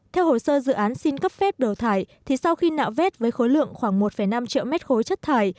theo hồ sơ dự án xin cấp phép đổ thải thì sau khi nạo vét với khối lượng khoảng một năm triệu mét khối chất thải